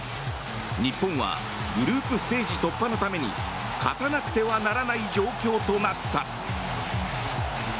日本はグループステージ突破のために勝たなくてはならない状況となった。